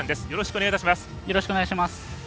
よろしくお願いします。